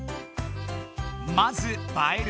まず「ばえる」